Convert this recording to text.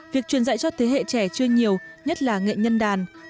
việc truyền dạy cho thế hệ trẻ chưa nhiều nhất là nghệ nhân đàn